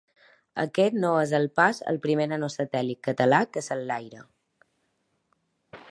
Aquest no és el pas el primer nanosatèl·lit català que s’enlaira.